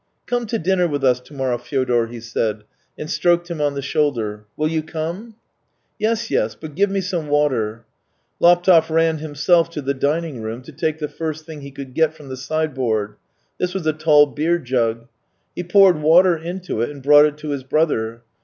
" Come to dinner with us to morrow, Fyodor," he said, and stroked him on the shoulder. " Will you come ?"" Yes, yes; but give me some water." Laptev ran himself to the dining room to take the first thing he could get from the sideboard. This was a tall beer jug. He poured water into it and brought it to his brother.